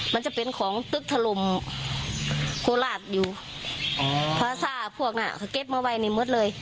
มันจะเป็นของตึกถล่มโคราชอยู่พระศาพพวกน่ะเก็บมาไว้ในเมืองเลย